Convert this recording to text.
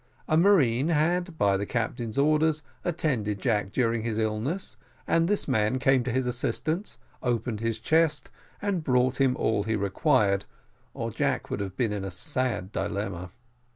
A marine had, by the captain's orders, attended Jack during his illness, and this man came to his assistance, opened his chest, and brought him all that he required, or Jack would have been in a sad dilemma.